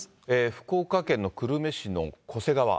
福岡県の久留米市の巨瀬川。